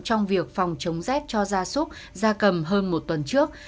trong việc phòng chống rét cho gia súc gia cầm hơn một tuần trước